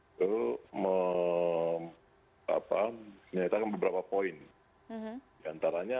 itu menyatakan beberapa poin